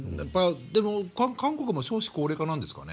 韓国も少子高齢化なんですかね。